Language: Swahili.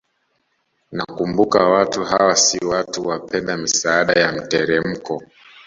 Nakumbuka watu hawa si watu wapenda misaada ya mteremko